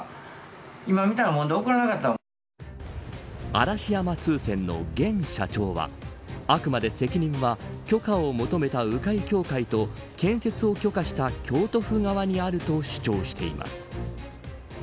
嵐山通船の現社長はあくまで責任は許可を求めた鵜飼協会と建設を許可した京都府側にあると主張しています。